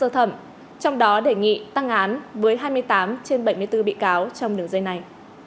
sơ thẩm trong đó đề nghị tăng án với hai mươi tám trên bảy mươi bốn bị cáo trong đường dây này